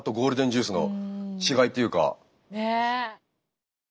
ねえ！